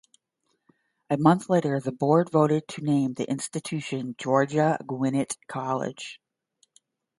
A month later, the Board voted to name the institution Georgia Gwinnett College.